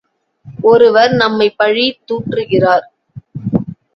ஒருவர் நம்மைப் பழி தூற்றுகிறார்!